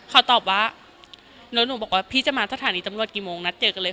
เขาตอบว่าแล้วหนูบอกว่าพี่จะมาสถานีตำรวจกี่โมงนัดเจอกันเลย